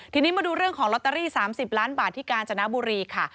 ทีนี้มาดูเรื่องของลอตเตอรี่๓๐ล้านบาทที่กาญจนบุรีค่ะ